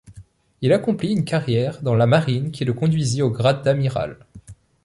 Il accomplit une carrière dans lamarine qui le conduisit au grade d'amiral.